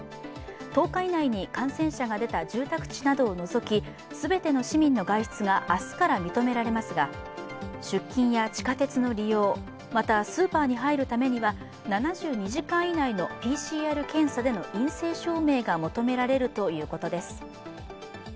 １０日以内に感染者が出た住宅地などを除き全ての市民の外出が明日から認められますが出勤や地下鉄の利用、またスーパーに入るためには７２時間以内のＰＣＲ検査での陰性証明が求められるということです。